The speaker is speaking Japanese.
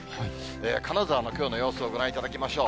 金沢のきょうの様子をご覧いただきましょう。